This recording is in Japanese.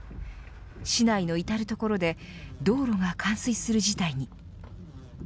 市内の至る所で道路が冠水する事態に。